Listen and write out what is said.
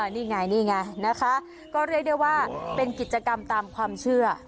นี่ไงนี่ไงนะคะก็เรียกได้ว่าเป็นกิจกรรมตามความเชื่อ